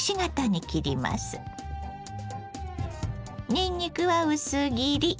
にんにくは薄切り。